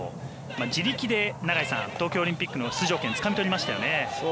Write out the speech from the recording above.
自力で東京オリンピックの出場権をつかみ取りました。